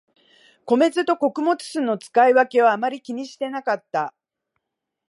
米酢と穀物酢の使い分けをあまり気にしてなかった